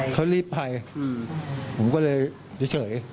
เขารีบไปผมก็เลยเฉย